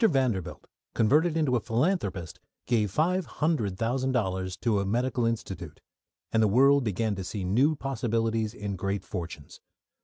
Vanderbilt, converted into a philanthropist, gave five hundred thousand dollars to a medical institute, and the world began to see new possibilities in great fortunes.